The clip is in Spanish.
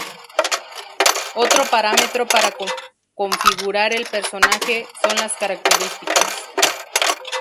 Otro parámetro para configurar el personaje, son las "características".